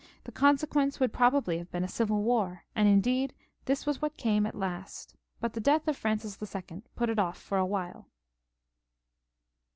The consequence would probably have been a civil war, and indeed this was what came at last? but the death of Francis II. put it off for a while.